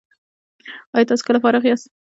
ایا تاسو کله فارغ یاست؟